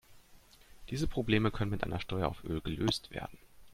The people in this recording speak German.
Diese Probleme können mit einer Steuer auf Öl gelöst werden.